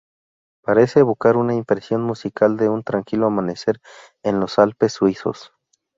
Parece evocar una impresión musical de un tranquilo amanecer en los Alpes suizos.